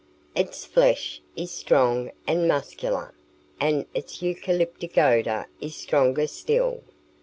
Its flesh is strong and muscular, and its eucalyptic odour is stronger still.